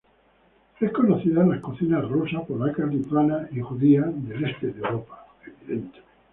Es conocida en las cocinas rusa, polaca, lituana y judía del este de Europa.